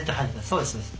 そうですそうです。